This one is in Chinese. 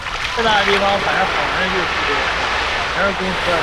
出生于湖南省安福县一个乡下贫农家庭。